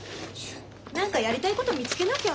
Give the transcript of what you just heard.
何かやりたいこと見つけなきゃ。